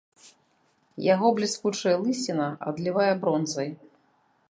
Яго бліскучая лысіна адлівае бронзай.